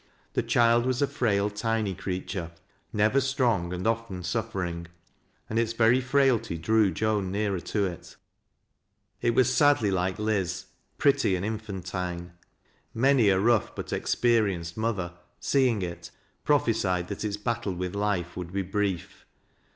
The child was a frail, tiny creature, never strong, and often suffering,_and its very frailty drew Joan nearer to it It was sadly like Liz, pretty and infantine. Many a roagh but experienced mother, seeing it, prophesied that its battle with life would be brief.